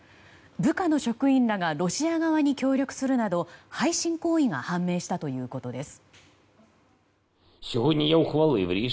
部下の職員らがロシア側に協力するなど背信行為が判明したということです。